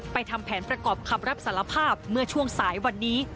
ทำแผนประกอบคำรับสารภาพเมื่อช่วงสายวันนี้